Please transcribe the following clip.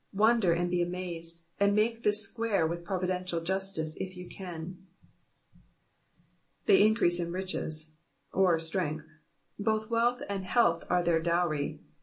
Wonder, and be amazed, and make this square with providential justice, if you can. ^''ITiey increase in riches ;^^ or, strength. Both wealth and health are their dowry.